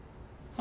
あ！